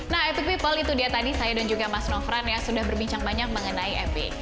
nah epic people itu dia tadi saya dan juga mas nofran ya sudah berbincang banyak mengenai epic